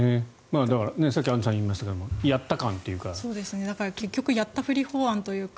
さっきアンジュさんが言いましたがやった感というか。